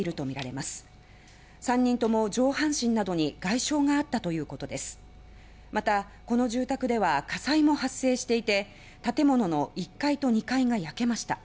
また、この住宅では火災も発生していて建物の１階と２階が焼けました。